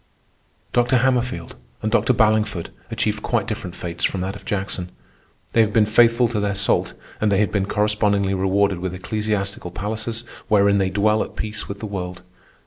Dr. Hammerfield and Dr. Ballingford achieved quite different fates from that of Jackson. They have been faithful to their salt, and they have been correspondingly rewarded with ecclesiastical palaces wherein they dwell at peace with the world.